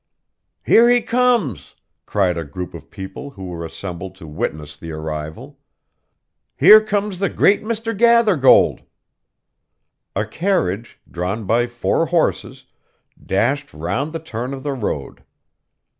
'Here he comes!' cried a group of people who were assembled to witness the arrival. 'Here comes the great Mr. Gathergold!' A carriage, drawn by four horses, dashed round the turn of the road.